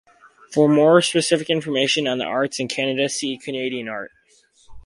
For more specific information on the arts in Canada, see Canadian art.